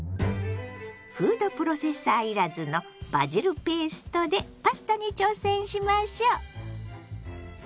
フードプロセッサー要らずのバジルペーストでパスタに挑戦しましょ！